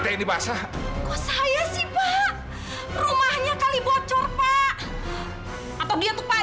kan bapak masih kesakitan